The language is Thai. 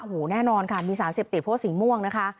โหแน่นอนค่ะมีสารเสพติดโพสศรีม่วงนะคะ